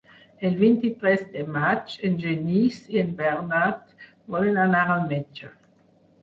El vint-i-tres de maig en Genís i en Bernat volen anar al metge.